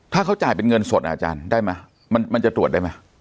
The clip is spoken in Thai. ถ้าเขาจ่ายเป็นเงินสดอาจารย์ได้ไหมมันจะตรวจได้ไหม